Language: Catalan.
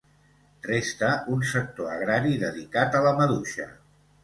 Resta un sector agrari dedicat a la maduixa.